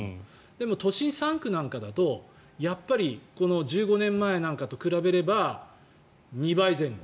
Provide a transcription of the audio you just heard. でも、都心３区なんかだとやっぱり１５年前なんかと比べれば２倍前後。